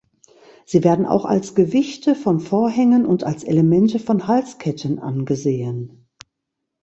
Sie werden auch als Gewichte von Vorhängen und als Elemente von Halsketten angesehen.